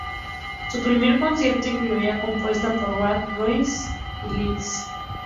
Su primer concierto incluía compuesta por Wagner, Chaikovski, Haydn y Liszt.